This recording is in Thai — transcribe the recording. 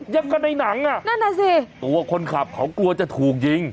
ยังกันในหนังอ่ะนั่นน่ะสิตัวคนขับเขากลัวจะถูกยิง